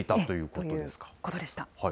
ということでした。